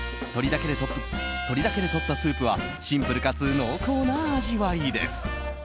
鶏だけでとったスープはシンプルかつ濃厚な味わいです。